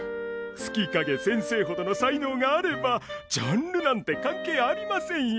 月影先生ほどの才能があればジャンルなんて関係ありませんよ。